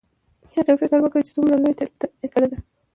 هغې فکر وکړ چې څومره لویه تیروتنه یې کړې ده